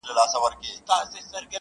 له هوا به پر هوسۍ حمله کومه!